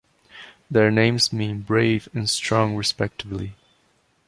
Their names mean "Brave" and "Strong," respectively.